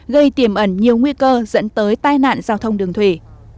gây tiềm ẩn nhiều nguy cơ dẫn tới tai nạn giao thông đường thủy